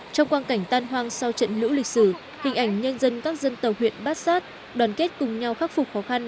trong quan cảnh tan hoang sau trận lũ lịch sử hình ảnh nhân dân các dân tộc huyện bát sát đoàn kết cùng nhau khắc phục khó khăn